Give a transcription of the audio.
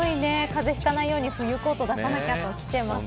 風邪ひかないように冬コート出さなきゃときています。